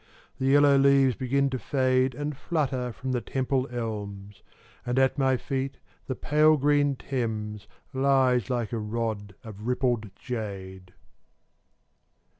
The yellow leaves begin to fade And flutter from the Temple elms, And at my feet the pale green Thames Lies like a rod of rippled jade.